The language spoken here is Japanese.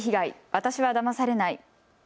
私はだまされない。